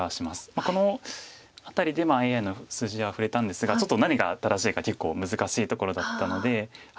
この辺りでＡＩの数字は振れたんですがちょっと何が正しいか結構難しいところだったので。